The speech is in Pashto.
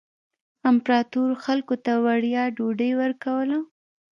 امپراتور خلکو ته وړیا ډوډۍ ورکوله.